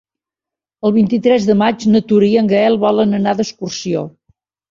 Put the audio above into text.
El vint-i-tres de maig na Tura i en Gaël volen anar d'excursió.